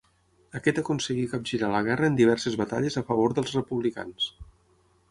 Aquest aconseguí capgirar la guerra en diverses batalles a favor dels republicans.